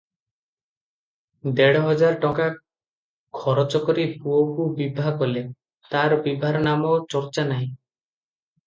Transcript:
ଦେଢ଼ ହଜାର ଟଙ୍କା ଖରଚ କରି ପୁଅକୁ ବିଭା କଲେ, ତାର ବିଭାର ନାମ ଚର୍ଚ୍ଚା ନାହିଁ ।